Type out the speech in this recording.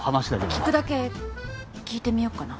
聞くだけ聞いてみようかな。